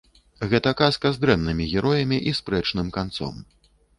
Гэта казка з дрэннымі героямі і спрэчным канцом.